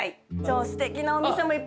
すてきなお店もいっぱいある。